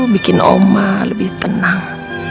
bikin oma lebih tenang